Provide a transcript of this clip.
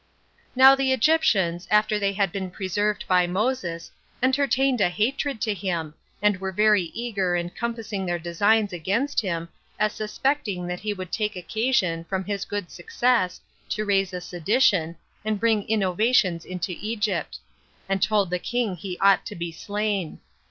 1. Now the Egyptians, after they had been preserved by Moses, entertained a hatred to him, and were very eager in compassing their designs against him, as suspecting that he would take occasion, from his good success, to raise a sedition, and bring innovations into Egypt; and told the king he ought to be slain.